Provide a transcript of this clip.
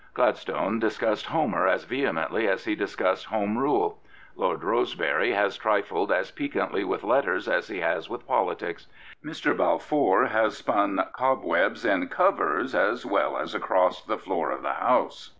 Gladstone discussed Homer as vehe mently as he discussed Home Rule, Lord Rosebery has trifled as piquantly with letters as he has with politics. Mr. Balfour has spun cobwebs in covers as well as across the floor of the House.